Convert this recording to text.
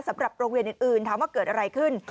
สำหรับโรงเรียนอื่นถามว่าเกิดอะไรขึ้น